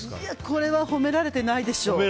これは褒められてないでしょ。